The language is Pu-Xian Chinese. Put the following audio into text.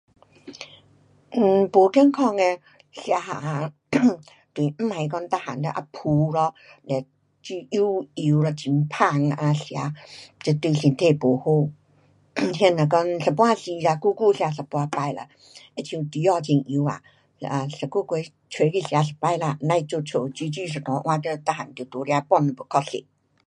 um 不健康的吃， 不要讲全部都拿来炸咯，le 煮油油的很香那啊吃那不好。那如果有时候啦一半时吃，久久吃一半次。好像猪脚很油啊。出去吃一半次，甭在家煮一大碗，then 没吃丢掉可惜。